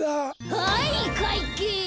はいかいけつ！